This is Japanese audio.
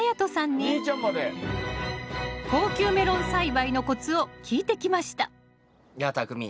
高級メロン栽培のコツを聞いてきましたやあたくみ。